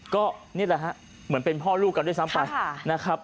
ก็นี่แหละฮะเหมือนเป็นพ่อลูกกันด้วยซ้ำไปนะครับ